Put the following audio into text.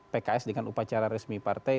pks dengan upacara resmi partai